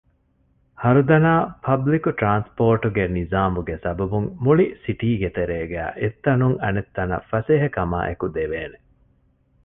ހަރުދަނާ ޕަބްލިކު ޓްރާންސްޕޯޓުގެ ނިޒާމުގެ ސަބަބުން މުޅި ސިޓީގެ ތެރޭގައި އެއްތަނުން އަނެއްތަނަށް ފަސޭހަކަމާއެކު ދެވޭނެ